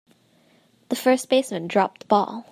The first baseman dropped the ball.